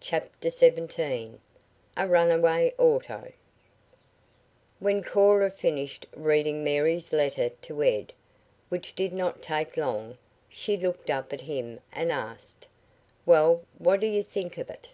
CHAPTER XVII A RUNAWAY AUTO When Cora finished reading Mary's letter to Ed, which did not take long, she looked up at him and asked: "Well, what do you think of it?"